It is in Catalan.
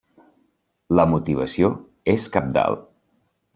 La motivació és cabdal.